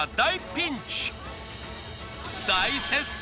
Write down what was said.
大接戦！